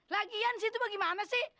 lagian sih itu bagaimana sih